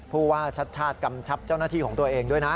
ผู้ว่าชัดชาติกำชับเจ้าหน้าที่ของตัวเองด้วยนะ